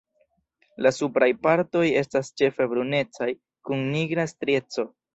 La supraj partoj estas ĉefe brunecaj kun nigra strieco.